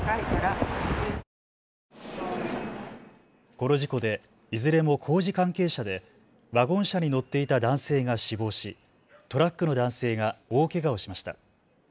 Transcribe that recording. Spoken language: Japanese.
この事故でいずれも工事関係者でワゴン車に乗っていた男性が死亡し、トラックの男性が大けがをしました。